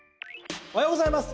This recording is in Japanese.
おはようございます。